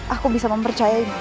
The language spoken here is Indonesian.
aku bisa mempercayainya